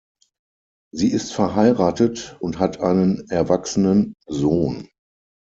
Sie ist verheiratet und hat einen erwachsenen Sohn.